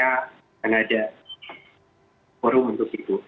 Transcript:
akan ada forum untuk itu